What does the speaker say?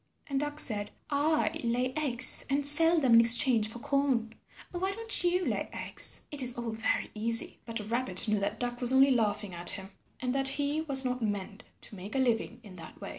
And Duck said, "I lay eggs and sell them in exchange for corn. Why don't you lay eggs? It is all very easy." But Rabbit knew that Duck was only laughing at him, and that he was not meant to make a living in that way.